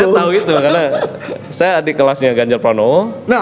saya tahu itu karena saya adik kelasnya ganjar pranowo